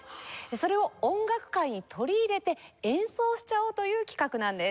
それを音楽会に取り入れて演奏しちゃおうという企画なんです。